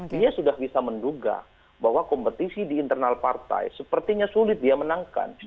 dia sudah bisa menduga bahwa kompetisi di internal partai sepertinya sulit dia menangkan